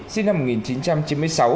sinh năm một nghìn chín trăm chín mươi sáu